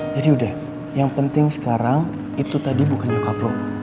jadi udah yang penting sekarang itu tadi bukan nyokap lo